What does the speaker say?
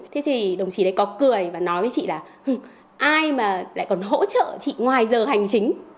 thế thì đồng chí đấy có cười và nói với chị là ai mà lại còn hỗ trợ chị ngoài giờ hành chính